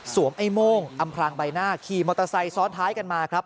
ไอ้โม่งอำพลางใบหน้าขี่มอเตอร์ไซค์ซ้อนท้ายกันมาครับ